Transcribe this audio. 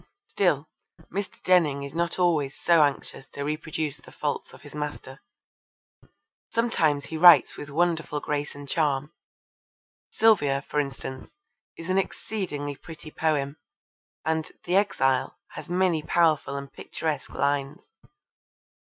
Still, Mr. Denning is not always so anxious to reproduce the faults of his master. Sometimes he writes with wonderful grace and charm. Sylvia, for instance, is an exceedingly pretty poem, and The Exile has many powerful and picturesque lines.